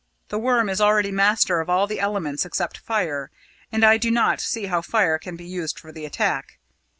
The Worm is already master of all the elements except fire and I do not see how fire can be used for the attack.